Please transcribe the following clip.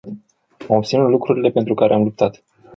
Am obținut lucrurile pentru care am luptat.